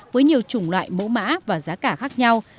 với nhiều chủng loại mẫu mã và giá cả khác nhau